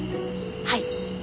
はい。